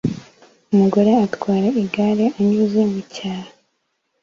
umugore atwara igare anyuze mucyaro